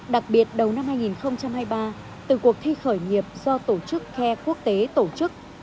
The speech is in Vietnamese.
đặc biệt đầu năm hai nghìn hai mươi ba từ cuộc thi khởi nghiệp do tổ chức care quốc tế tổ chức